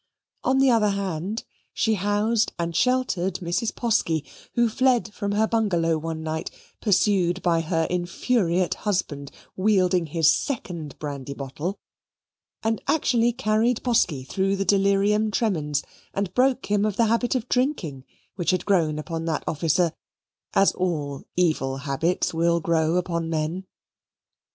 On the other hand, she housed and sheltered Mrs. Posky, who fled from her bungalow one night, pursued by her infuriate husband, wielding his second brandy bottle, and actually carried Posky through the delirium tremens and broke him of the habit of drinking, which had grown upon that officer, as all evil habits will grow upon men.